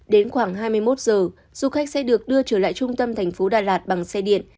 đến khoảng hai mươi một giờ du khách sẽ được đưa trở lại trung tâm thành phố đà lạt bằng xe điện